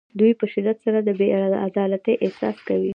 دوی په شدت سره د بې عدالتۍ احساس کوي.